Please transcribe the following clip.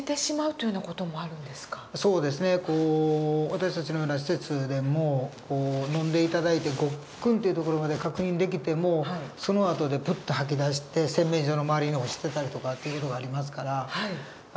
私たちのような施設でも飲んで頂いてごっくんっていうところまで確認できてもそのあとでプッと吐き出して洗面所の周りに落ちてたりとかっていう事がありますから。